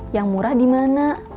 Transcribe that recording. yang murah dimana